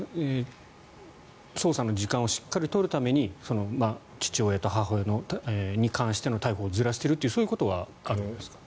捜査の時間をしっかり取るために父親と母親に関しての逮捕をずらしているというそういうことはありますか。